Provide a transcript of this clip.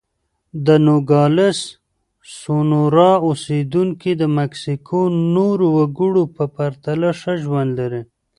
د نوګالس سونورا اوسېدونکي د مکسیکو نورو وګړو په پرتله ښه ژوند لري.